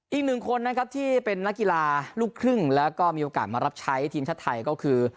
อีกหนึ่งคนนะครับที่เป็นนักกีฬาลูกครึ่งแล้วก็มีโอกาสมารับใช้ทีมชาติไทยก็คือ